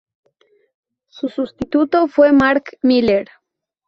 Su sustituto fue Mark Miller.